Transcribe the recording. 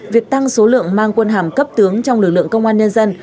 việc tăng số lượng mang quân hàm cấp tướng trong lực lượng công an nhân dân